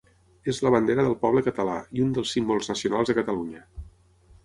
És la bandera del poble català i un dels símbols nacionals de Catalunya.